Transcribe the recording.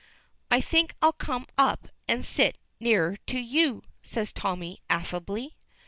"I think I'll come up and sit nearer to you," says Tommy, affably.